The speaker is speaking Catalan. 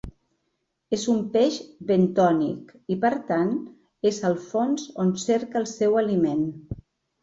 És un peix bentònic i, per tant, és al fons on cerca el seu aliment.